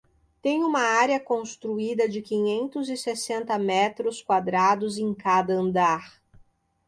Tem uma área construída de quinhentos e sessenta metros quadrados em cada andar.